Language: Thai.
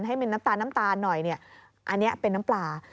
ให้มีน้ำตาลหน่อยเนี่ยอันเนี่ยเป็นน้ำปลา